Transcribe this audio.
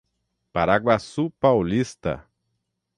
Paraguaçu Paulista